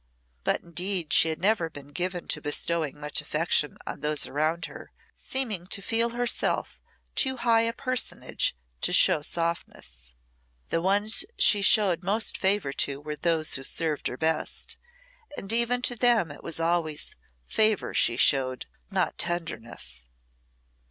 But, indeed, she had never been given to bestowing much affection on those around her, seeming to feel herself too high a personage to show softness. The ones she showed most favour to were those who served her best; and even to them it was always favour she showed, not tenderness.